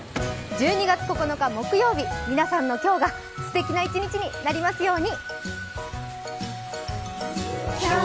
１２月９日木曜日皆さんの今日が、すてきな一日になりますように。